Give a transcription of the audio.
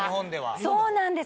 そうなんです。